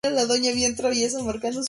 Se pueden encontrar en Taiwán.